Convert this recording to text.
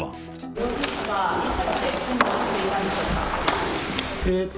容疑者はいつまで勤務していたんでしょうか。